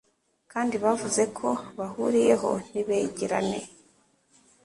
kandi bavuze ko bahuriyeho ntibegerane